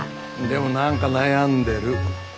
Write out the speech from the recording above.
でも何か悩んでる。